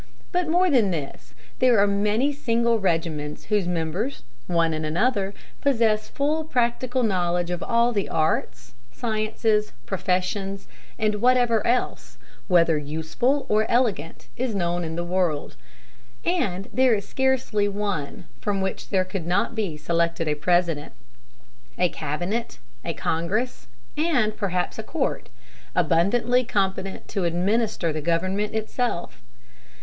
But more than this, there are many single regiments whose members, one and another, possess full practical knowledge of all the arts, sciences, professions and whatever else, whether useful or elegant, is known in the world; and there is scarcely one from which there could not be selected a President, a cabinet a congress, and, perhaps, a court, abundantly competent to administer the government itself....